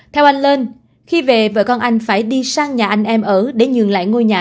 theo anh lên khi về vợ con anh phải đi sang nhà anh em ở để nhường lại ngôi nhà